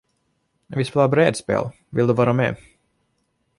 Vi spelar brädspel vill du vara med?